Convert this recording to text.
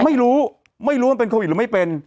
ไม่รู้ไม่รู้ว่ามันเป็นโควิดหรือไม่เป็น